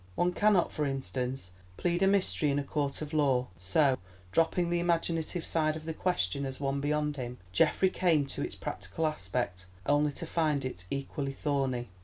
One cannot, for instance, plead a mystery in a court of law; so, dropping the imaginative side of the question as one beyond him, Geoffrey came to its practical aspect, only to find it equally thorny.